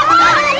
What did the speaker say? kecoh kecoh kecoh